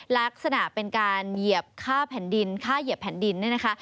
ลักษณะเป็นการเหยียบค่าแผ่นดินค่าเหยียบแผ่นดินเนี่ยนะคะ